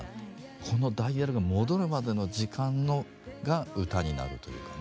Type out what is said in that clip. このダイヤルが戻るまでの時間が歌になるというかね。